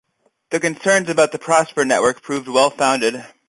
The concerns about the Prosper network proved well-founded.